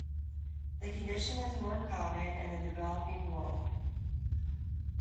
The condition is more common in the developing world.